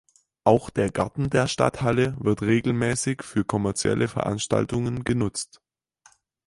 Auch der Garten der Stadthalle wird regelmäßig für kommerzielle Veranstaltungen genutzt.